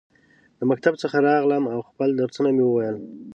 د مکتب څخه راغلم ، او خپل درسونه مې وویل.